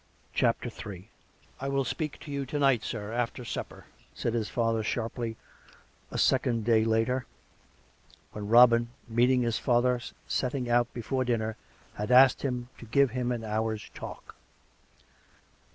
CHAPTER III " I WILL speak to you to night, sir, after supper," said his father sharply a second day later, when Robin, meet ing his father setting out before dinner, had asked him to give him an hour's talk.